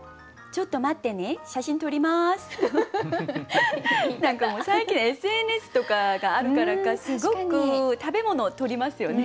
はい私なら最近ＳＮＳとかがあるからかすごく食べ物を撮りますよね。